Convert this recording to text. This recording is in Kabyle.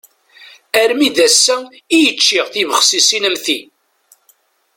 Armi d ass-a, i yeččiɣ tibexsisin am ti.